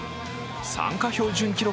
参加標準記録